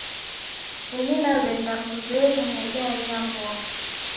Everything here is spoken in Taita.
Ini naw'eenda mbuw'enyi nendealia mbogha.